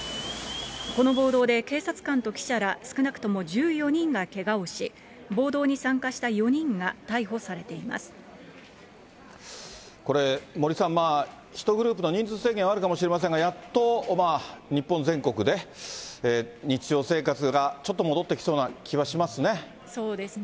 この暴動で警察官と記者ら少なくとも１４人がけがをし、暴動に参これ、森さん、１グループの人数制限あるかもしれませんが、やっと日本全国で、日常生活がちょっと戻ってきそうな気はしますね。